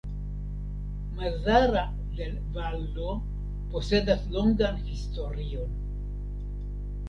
Mazara del Vallo posedas longan historion.